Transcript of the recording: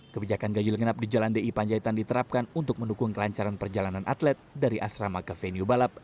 kebijakan ganjil genap di jalan di panjaitan diterapkan untuk mendukung kelancaran perjalanan atlet dari asrama ke venue balap